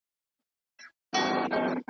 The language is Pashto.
دوه خورجینه په لومړۍ ورځ خدای تیار کړل .